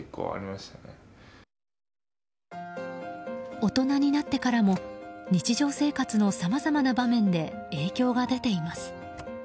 大人になってからも日常生活のさまざまな場面で影響が出ています。